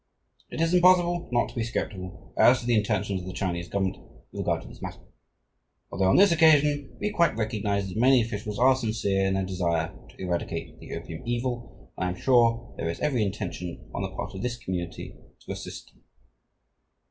It is impossible not to be sceptical as to the intentions of the Chinese government with regard to this matter, although on this occasion we quite recognize that many officials are sincere in their desire to eradicate the opium evil, and I am sure there is every intention on the part of this community to assist them.